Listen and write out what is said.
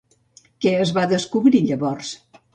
Què es va descobrir llavors?